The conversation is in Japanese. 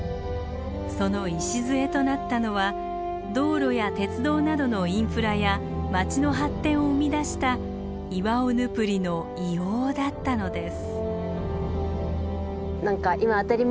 その礎となったのは道路や鉄道などのインフラや町の発展を生み出したイワオヌプリの硫黄だったのです。